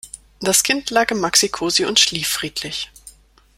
Das Kind lag im Maxicosi und schlief friedlich.